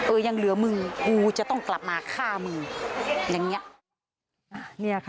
ยังเหลือมึงกูจะต้องกลับมาฆ่ามึงอย่างนี้